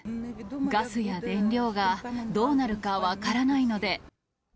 ガスや燃料がどうなるか分からないので。